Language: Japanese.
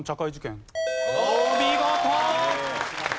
お見事！